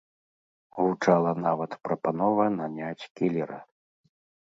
Гучала нават прапанова наняць кілера.